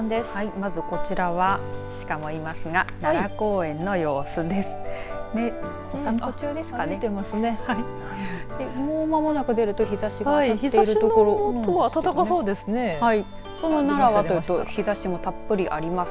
まず、こちらは、鹿もいますが奈良公園の様子です。